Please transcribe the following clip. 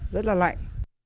rất là lạnh